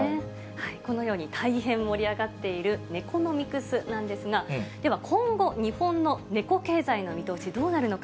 このように大変盛り上がっているネコノミクスなんですが、では、今後、日本の猫経済の見通し、どうなるのか。